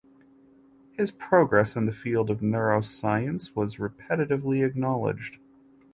His progress in the field of neuroscience was repetitively acknowledged.